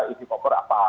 isi koper apa